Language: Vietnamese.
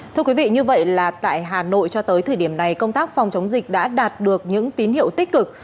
thưa quý vị như vậy là tại hà nội cho tới thời điểm này công tác phòng chống dịch đã đạt được những tín hiệu tích cực